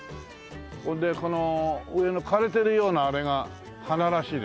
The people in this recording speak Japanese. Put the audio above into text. それでこの上の枯れてるようなあれが花らしいですよ。